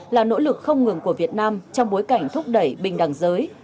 là nỗ lực không ngừng của việt nam trong bối cảnh thúc đẩy bình đẳng giới